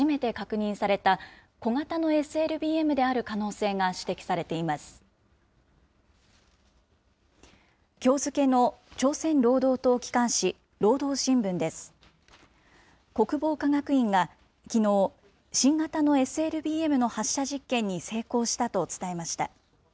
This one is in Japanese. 国防科学院がきのう、新型のＳＬＢＭの発射実験に成功したと伝えました。